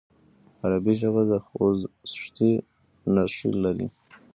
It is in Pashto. عربي ژبه خوځښتي نښې لري.